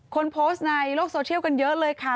คนโพสต์ในโลกโซเชียลกันเยอะเลยค่ะ